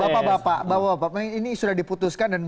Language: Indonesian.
bapak bapak bapak ini sudah diputuskan dan